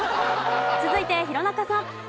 続いて弘中さん。